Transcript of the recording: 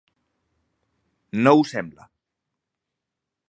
No ho sembla.